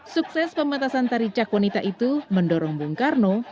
sukses pematasan tari cak wanita itu mendorong bung karno